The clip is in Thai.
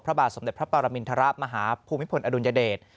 พระบาทสมเด็จพระปรมินทรมาฮภูมิพลอดุลยเดช